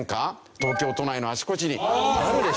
東京都内のあちこちにあるでしょ。